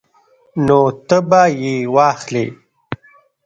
نو ته به یې واخلې